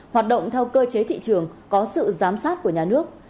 hoạt động theo cơ chế thị trường có sự giám sát của nhà nước